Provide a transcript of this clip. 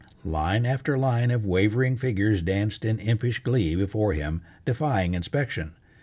Line after line of wavering figures danced in impish glee before him, defying inspection.